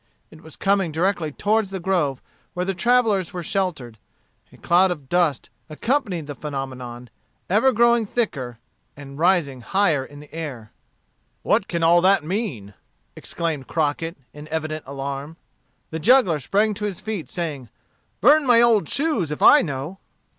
It was coming directly toward the grove where the travellers were sheltered. A cloud of dust accompanied the phenomenon, ever growing thicker and rising higher in the air. "What can that all mean?" exclaimed Crockett, in evident alarm. The juggler sprang to his feet, saying, "Burn my old shoes if I know."